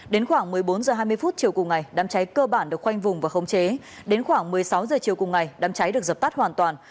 đến khoảng một mươi bốn h hai mươi chiều cùng ngày đám cháy cơ bản được khoanh vùng và khống chế đến khoảng một mươi sáu h chiều cùng ngày đám cháy được dập tắt hoàn toàn